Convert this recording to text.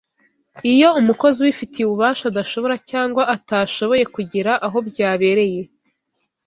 iyo umukozi ubifitiye ububasha adashobora cyangwa atashoboye kugera aho byabereye